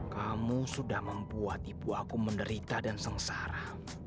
kamu sudah membuat ibu aku menderita dan sengsara